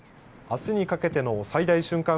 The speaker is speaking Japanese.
あすにかけての最大瞬間